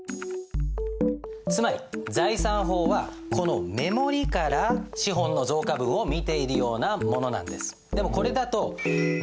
つまり財産法はこの目盛りから資本の増加分を見ているようなものなんです。